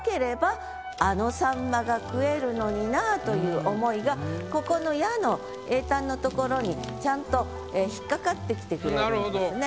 そしたらという思いがここの「や」の詠嘆のところにちゃんと引っ掛かってきてくれるんですね。